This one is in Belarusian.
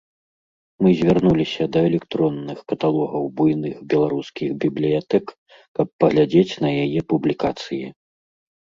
Мы звярнуліся да электронных каталогаў буйных беларускіх бібліятэк, каб паглядзець на яе публікацыі.